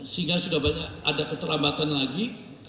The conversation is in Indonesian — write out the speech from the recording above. sehingga sudah banyak ada keterlambatan lagi